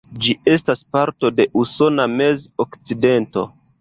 Ĝi estas parto de Usona Mez-Okcidento.